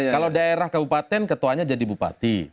kalau daerah kabupaten ketuanya jadi bupati